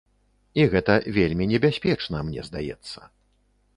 І гэта вельмі небяспечна, мне здаецца.